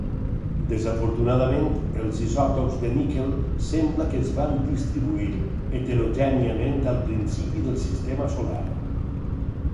Desafortunadament, els isòtops de níquel sembla que es van distribuir heterogèniament al principi del sistema solar.